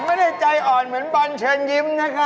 ผมไม่ได้ใจอ่อนเหมือนบรัญเชิญยิ้มนะครับ